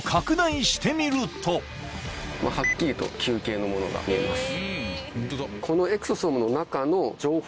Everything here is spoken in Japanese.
はっきりと球形のものが見えます。